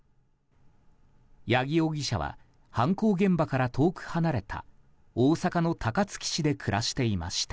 八木容疑者は犯行現場から遠く離れた大阪の高槻市で暮らしていました。